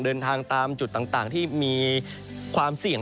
เดินทางตามจุดต่างที่มีความเสี่ยง